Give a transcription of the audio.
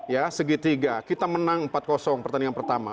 ya segitiga kita menang empat pertandingan pertama